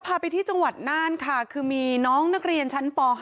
พาไปที่จังหวัดน่านค่ะคือมีน้องนักเรียนชั้นป๕